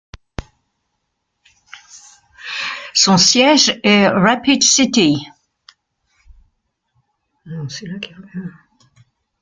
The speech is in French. Son siège est Rapid City.